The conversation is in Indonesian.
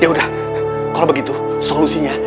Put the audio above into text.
yaudah kalau begitu solusinya